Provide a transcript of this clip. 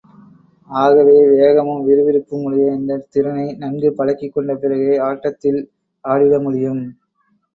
ஆகவே, வேகமும் விறுவிறுப்பும் உடைய இந்தத் திறனை நன்கு பழகிக் கொண்ட பிறகே, ஆட்டத்தில் ஆடிட முடியும்.